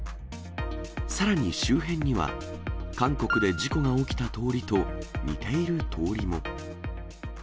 さらに周辺には、韓国で事故が起きた通りと似ている通りも。